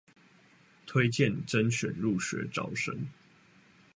推薦甄選入學招生